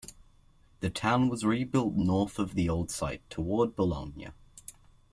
The town was rebuilt north of the old site, toward Bologna.